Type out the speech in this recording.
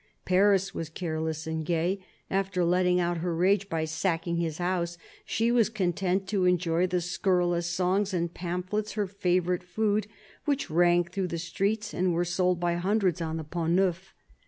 Paris was careless and gay : after letting out her rage by sacking his house, she was content to enjoy the scurrilous songs and pamphlets, her favourite food, which rang through the streets and were sold by hundreds on the Pont Neuf.